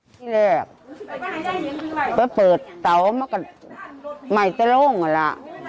ที่แรกไปเปิดเต๋ามากันใหม่แต่โล่งกันแหละ